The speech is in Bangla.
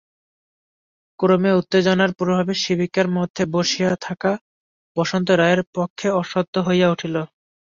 ক্রমে উত্তেজনার প্রভাবে শিবিকার মধ্যে বসিয়া থাকা বসন্ত রায়ের পক্ষে অসাধ্য হইয়া উঠিল।